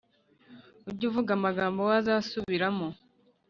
Ujyuvuga amagambo wazasubiramo